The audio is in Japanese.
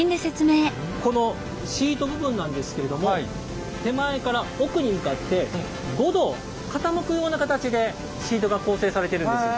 このシート部分なんですけれども手前から奥に向かって５度傾くような形でシートが構成されてるんです。